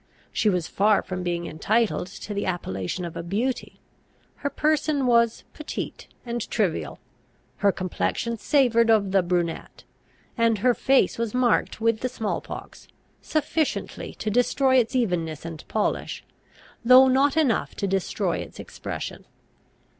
She was far from being entitled to the appellation of a beauty. Her person was petite and trivial; her complexion savoured of the brunette; and her face was marked with the small pox, sufficiently to destroy its evenness and polish, though not enough to destroy its expression.